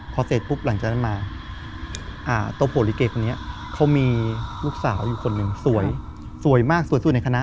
พอเสร็จปุ๊บหลังจากนั้นมาโตโปรลิเกคนนี้เขามีลูกสาวอยู่คนหนึ่งสวยสวยมากสวยสุดในคณะ